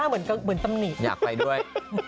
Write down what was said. หลอดยังอยากไปด้วย